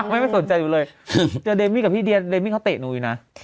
ไม่สนใจอยู่เลยเจอเดมมี่กับพี่เดียเมมี่เขาเตะหนูอยู่นะ